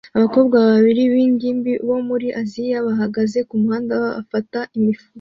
Abakobwa babiri b'ingimbi bo muri Aziya bahagaze kumuhanda bafata imifuka